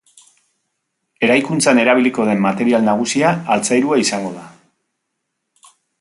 Eraikuntzan erabiliko den material nagusia altzairua izango da.